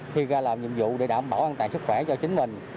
khi ra làm nhiệm vụ để đảm bảo an toàn sức khỏe cho chính mình